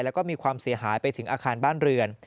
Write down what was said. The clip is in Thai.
แล้วก็มีความเสียหายไปถึงอาคารบ้านเรือน